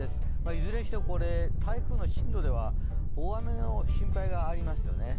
いずれにしても台風の進路では大雨の心配がありますよね。